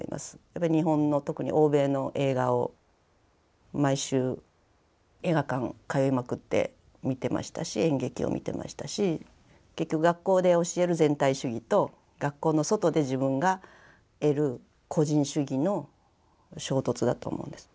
やっぱり日本の特に欧米の映画を毎週映画館通いまくって見てましたし演劇を見てましたし結局学校で教える全体主義と学校の外で自分が得る個人主義の衝突だと思うんです。